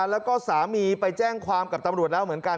แล้วก็สามีไปแจ้งความกับตำรวจแล้วเหมือนกัน